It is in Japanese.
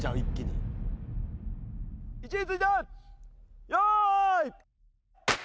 位置について用意。